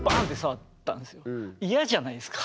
嫌じゃないですか。